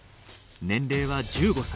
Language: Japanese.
年齢は１５歳。